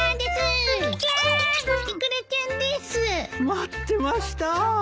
待ってましたぁ。